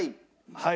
はい。